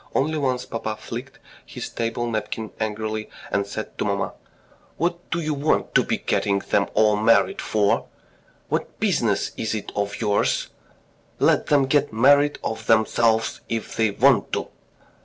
Only once papa flicked his table napkin angrily and said to mamma: "What do you want to be getting them all married for? What business is it of yours? Let them get married of themselves if they want to."